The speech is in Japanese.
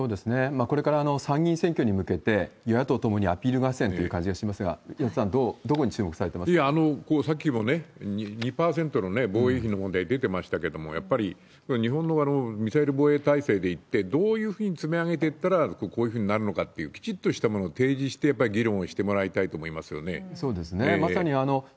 これから参議院選挙に向けて、与野党ともにアピール合戦という感じがしますが、岩田さん、どこに注目されてますか？さっきも２％の防衛費の問題、出てましたけども、やっぱりこれは日本のミサイル防衛体制でいって、どういうふうに積み上げていったらこういうふうになるのかっていう、きちっとしたものを提示して、やっぱり議論をしてもらいたいと思いますよね。